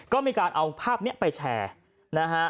ก็มีการเอาภาพนี้ไปแชร์นะฮะ